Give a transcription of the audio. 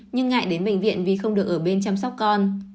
nhưng ngại đến bệnh viện vì không được ở bên chăm sóc con